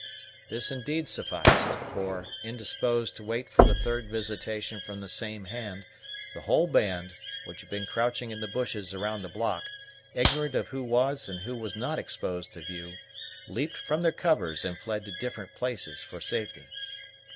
This indeed sufficed; for, indisposed to wait for a third visitation from the same hand, the whole band, which had been crouching in the bushes around the block, ignorant of who was and who was not exposed to view, leaped from their covers and fled to different places for safety.